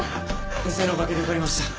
先生のおかげで受かりました。